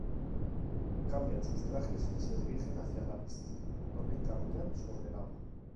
Cambian sus trajes y se dirigen hacia la piscina, donde caminan sobre el agua.